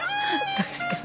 確かに。